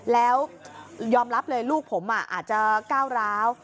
แล้วยอมรับเลยลูกผมอาจจะก้าวร้าว